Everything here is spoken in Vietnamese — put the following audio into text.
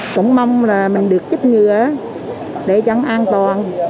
cũng mong là mình được chích ngừa để chẳng an toàn